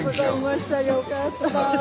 よかった。